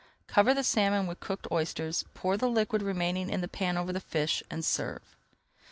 Cover the salmon with cooked oysters, pour the liquid remaining in the pan over the fish, and serve.